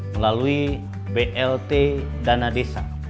melalui blt dana desa